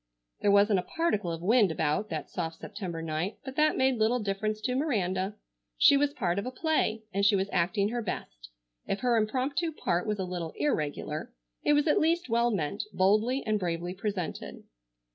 There wasn't a particle of wind about that soft September night, but that made little difference to Miranda. She was part of a play and she was acting her best. If her impromptu part was a little irregular, it was at least well meant, boldly and bravely presented.